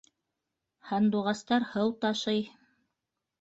Һандуғастар һыу ташый